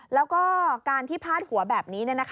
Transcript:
แล้วก็การที่พาดหัวแบบนี้